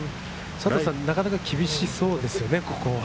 なかなか厳しそうですね、ここは。